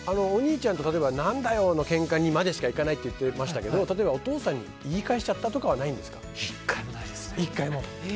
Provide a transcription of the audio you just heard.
お兄ちゃんと何だよ！のけんかにまでしかいかないって言ってましたけど例えばお父さんに言い返しちゃったとかは１回もないですね。